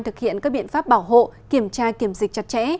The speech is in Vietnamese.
thực hiện các biện pháp bảo hộ kiểm tra kiểm dịch chặt chẽ